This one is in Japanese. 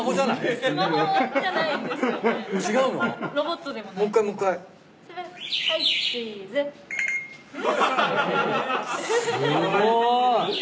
すごい。